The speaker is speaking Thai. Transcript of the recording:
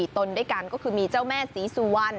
ตนด้วยกันก็คือมีเจ้าแม่ศรีสุวรรณ